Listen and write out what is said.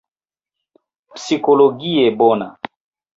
Psikologie bona.